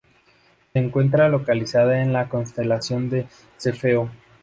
Se encuentra localizada en la constelación de Cefeo.